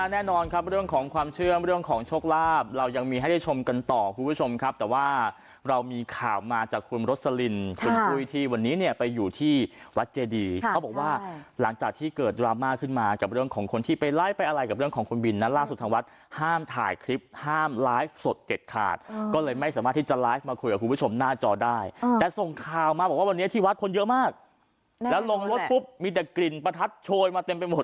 แน่นอนครับเรื่องของความเชื่อมเรื่องของชกลาบเรายังมีให้ได้ชมกันต่อคุณผู้ชมครับแต่ว่าเรามีข่าวมาจากคุณรสลินคุณปุ๊ยทีวันนี้เนี่ยไปอยู่ที่วัดเจดีเขาบอกว่าหลังจากที่เกิดดราม่าขึ้นมากับเรื่องของคนที่ไปไลฟ์ไปอะไรกับเรื่องของคนบินนั้นล่าสุดทางวัดห้ามถ่ายคลิปห้ามไลฟ์สดเก็ดขาดก็เลยไม่สามารถที่